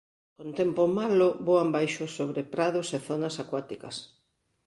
Con tempo malo voan baixo sobre prados e zonas acuáticas.